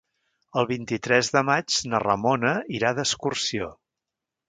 El vint-i-tres de maig na Ramona irà d'excursió.